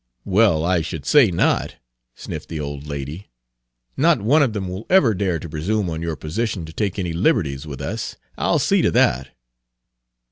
"Well, I should say not!" sniffed the old lady. "Not one of them will ever dare to presume on your position to take any liberties with us. I'll see to that."